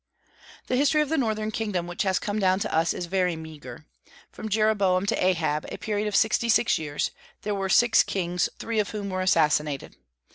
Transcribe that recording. The history of the northern kingdom which has come down to us is very meagre. From Jeroboam to Ahab a period of sixty six years there were six kings, three of whom were assassinated.